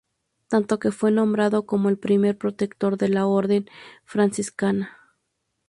Tanto, que fue nombrado como el primer protector de la Orden Franciscana.